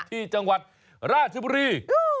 ที่จังหวัดราชบุรี